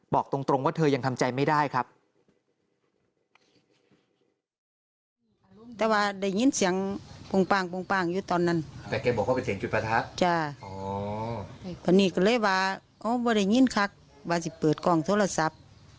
บอกตรงว่าเธอยังทำใจไม่ได้ครับ